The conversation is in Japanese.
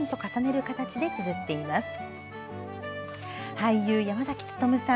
俳優・山崎努さん。